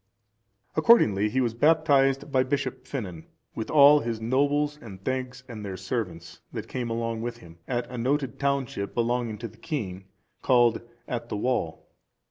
Accordingly he was baptized by Bishop Finan, with all his nobles and thegns,(404) and their servants, that came along with him, at a noted township, belonging to the king, called At the Wall.